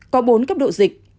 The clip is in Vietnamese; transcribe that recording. có bốn cấp độ dịch